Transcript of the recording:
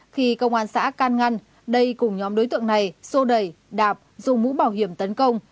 khi công an xã can ngăn đây cùng nhóm đối tượng này xô đẩy đạp dùng mũ bảo hiểm tấn công